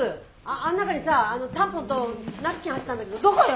あん中にさあのタンポンとナプキン入ってたんだけどどこよ！